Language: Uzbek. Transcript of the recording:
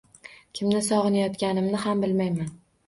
Kimni sog‘inayotganimni ham bilmayman